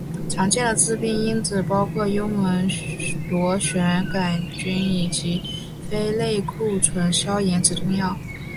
常见的致病因子包括幽门螺旋杆菌以及非类固醇消炎止痛药。